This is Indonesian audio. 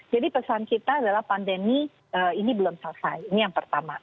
jadi pesan kita adalah pandemi ini belum selesai ini yang pertama